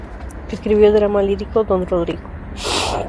Escribió el drama lírico "Don Rodrigo".